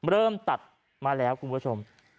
เริ่มตัดมาแล้วคุณผู้ชม